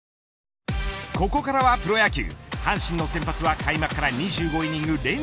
ここからはプロ野球。